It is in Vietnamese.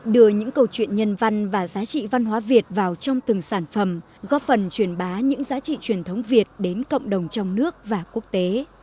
đưa những câu chuyện nhân văn và giá trị văn hóa việt vào trong từng sản phẩm góp phần truyền bá những giá trị truyền thống việt đến cộng đồng trong nước và quốc tế